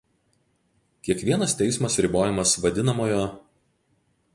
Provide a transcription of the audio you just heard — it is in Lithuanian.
Kiekvienas teismas ribojamas vad.